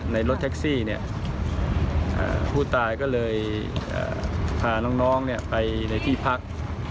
รถแท็กซี่ผู้ตายก็เลยพาน้องไปในที่พัก